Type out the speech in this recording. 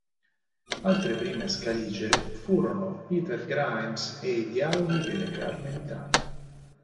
Altre prime scaligere furono "Peter Grimes" e "I dialoghi delle Carmelitane".